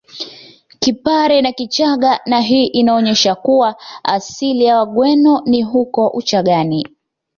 Kipare na Kichaga na hii inaonesha kuwa asili ya Wagweno ni huko Uchagani